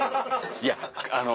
いやあの